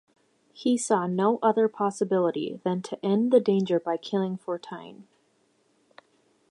He saw no other possibility than to end the danger by killing Fortuyn.